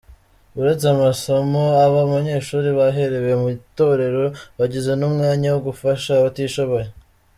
Uretse amasomo aba banyeshuri baherewe mu itorero, bagize n’umwanya wo gufasha abatishoboye.